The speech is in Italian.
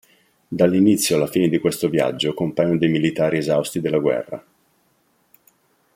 Dall'inizio alla fine di questo viaggio compaiono dei militari esausti della guerra.